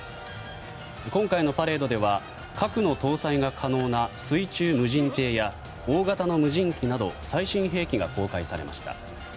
今回のパレードでは核の搭載が可能な水中無人艇や大型の無人機など最新兵器が公開されました。